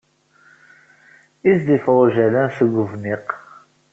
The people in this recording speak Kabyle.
Is d-iffeɣ Ujalan seg ubniq?